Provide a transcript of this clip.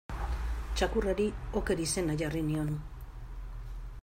Txakurrari Oker izena jarri nion.